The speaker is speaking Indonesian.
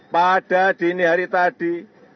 pada dini hari tadi